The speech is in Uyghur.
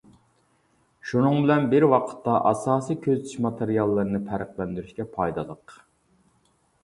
شۇنىڭ بىلەن بىر ۋاقىتتا، ئاساسى كۆزىتىش ماتېرىياللىرىنى پەرقلەندۈرۈشكە پايدىلىق.